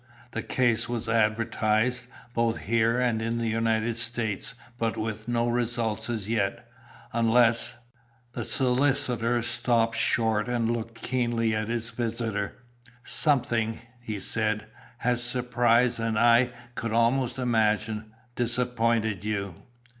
The case was advertised, both here and in the United States, but with no results as yet, unless " The solicitor stopped short and looked keenly at his visitor. "Something," he said, "has surprised, and I could almost imagine, disappointed you."